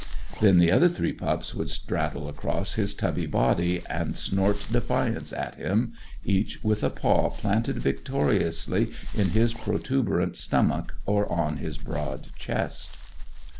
Then the other three pups would straddle across his tubby body and snort defiance at him, each with a paw planted victoriously in his protuberant stomach or on his broad chest.